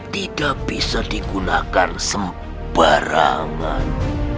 tidak bisa digunakan sembarangan